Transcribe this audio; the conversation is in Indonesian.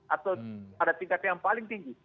atau pada tingkat yang paling tinggi